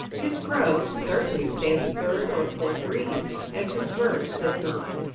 His prose, certainly, stands a third or a fourth reading, as his verse does not.